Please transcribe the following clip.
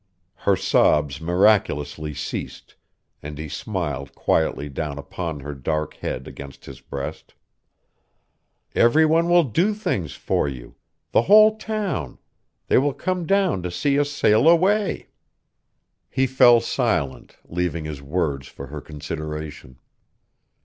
Her sobs miraculously ceased, and he smiled quietly down upon her dark head against his breast. "Every one will do things for you.... The whole town.... They will come down to see us sail away." He fell silent, leaving his words for her consideration.